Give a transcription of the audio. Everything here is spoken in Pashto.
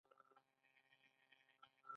دوی امتیازات ورکوي.